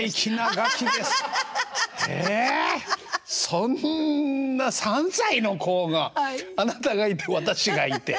そんな３歳の子が「あなたがいて私がいて」。